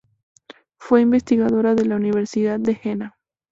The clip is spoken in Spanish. Fue investigadora de la Universidad de Jena.